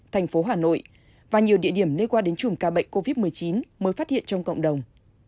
thành phố hà nội và nhiều địa điểm liên quan đến chùm ca bệnh covid một mươi chín mới phát hiện trong cộng đồng